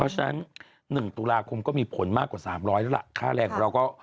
ฉะนั้น๑ตุลาคมก็มีผลมากกว่า๓๐๐บาทค่าแรงของเราก็